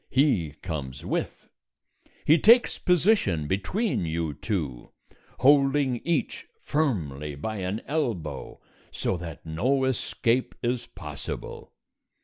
He comes with. He takes position between you two, holding each firmly by an elbow so that no escape is possible.